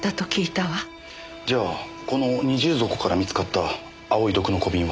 じゃあこの二重底から見つかった青い毒の小瓶は。